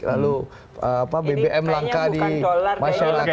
lalu bbm langka di masyarakat